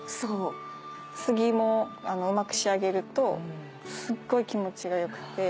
杉もうまく仕上げるとすっごい気持ちが良くて。